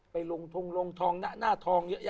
ไปลงทงลงทองหน้าทองเยอะแยะ